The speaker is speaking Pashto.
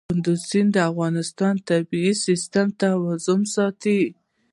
کندز سیند د افغانستان د طبعي سیسټم توازن ساتي.